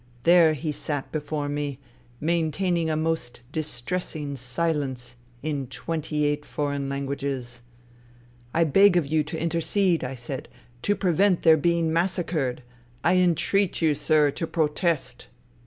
There he sat before me, maintaining a most distressing silence in twenty eight foreign languages. ' I beg of you to intercede,' I said, ' to prevent their being mas sacred. I entreat you, sir, to protest.'